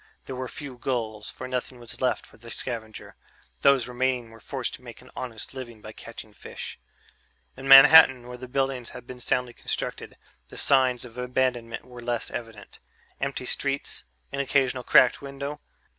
There were few gulls, for nothing was left for the scavenger; those remaining were forced to make an honest living by catching fish. In Manhattan, where the buildings had been more soundly constructed, the signs of abandonment were less evident ... empty streets, an occasional cracked window.